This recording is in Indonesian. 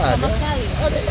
bapak bisa jadi bisnis di